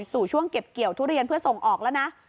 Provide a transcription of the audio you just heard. สู่ช่วงเก็บเกี่ยวทุเรียนเพื่อส่งออกแล้วนะ